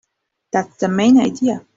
That's the main idea.